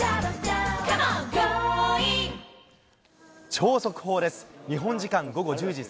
超速報です。